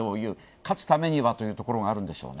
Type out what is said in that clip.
勝つためにはというところがあるんでしょうね。